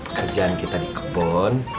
kerjaan kita di kebun